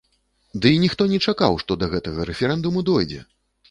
Ды і ніхто не чакаў, што да гэтага рэферэндуму дойдзе!